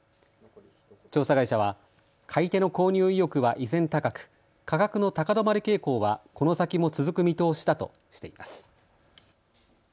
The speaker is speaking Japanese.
調査会社は買い手の購入意欲は依然高く、価格の高止まり傾向はこの先も続く見通しだとしています。